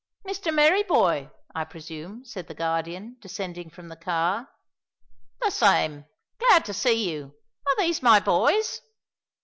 "Mr Merryboy, I presume?" said the Guardian, descending from the car. "The same. Glad to see you. Are these my boys?"